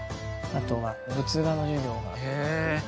あとは仏画の授業があったり。